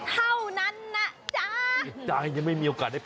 เหลงขาดที่จะหยุด